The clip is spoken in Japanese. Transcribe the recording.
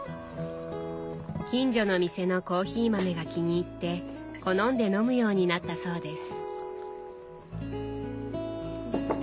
近所の店のコーヒー豆が気に入って好んで飲むようになったそうです。